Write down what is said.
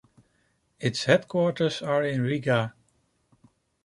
Its headquarters are in Riga.